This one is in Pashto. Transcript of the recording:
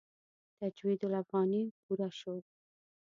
تجوید الافغاني پوره شو.